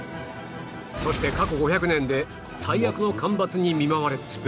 そして過去５００年で最悪の干ばつに見舞われ